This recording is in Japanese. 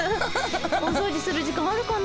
お掃除する時間あるかな。